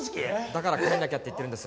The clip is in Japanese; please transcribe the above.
だから帰らなきゃって言ってるんです。